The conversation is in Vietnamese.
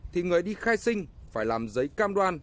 thì người đi khai sinh phải làm giấy cam đoan